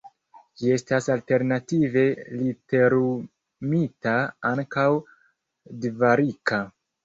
Ĝi estas alternative literumita ankaŭ Dvarika.